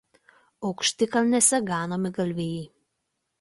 Aukštikalnėse ganomi galvijai.